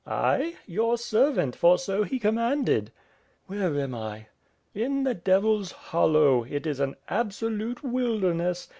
"I? Your servant, for so he commanded." 'T^ere am I?" "In the Devil's Hollow. It is an absolute wilderness.